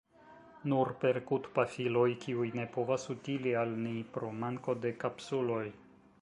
Nur perkutpafiloj, kiuj ne povas utili al ni, pro manko de kapsuloj.